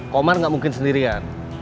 komar enggak mungkin sendirian